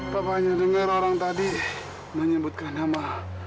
papa hanya dengar orang tadi menyebutkan nama